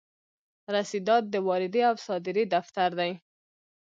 رسیدات د واردې او صادرې دفتر دی.